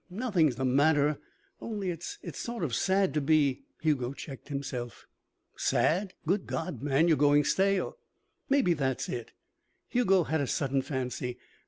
Nothing's the matter. Only it's sort of sad to be " Hugo checked himself. "Sad? Good God, man, you're going stale." "Maybe that's it." Hugo had a sudden fancy.